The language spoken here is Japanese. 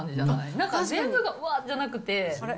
なんか全部が、うわーじゃなくて。